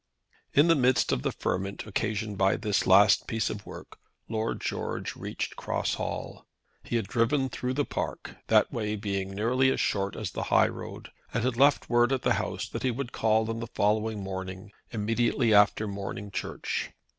In the midst of the ferment occasioned by this last piece of work Lord George reached Cross Hall. He had driven through the park, that way being nearly as short as the high road, and had left word at the house that he would call on the following morning, immediately after morning church.